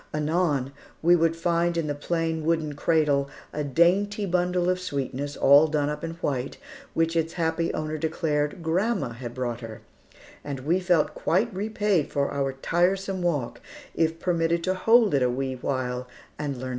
Anon, we would find in the plain wooden cradle, a dainty bundle of sweetness, all done up in white, which its happy owner declared grandma had brought her, and we felt quite repaid for our tiresome walk if permitted to hold it a wee while and learn its name.